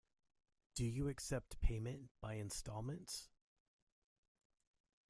Do you accept payment by instalments?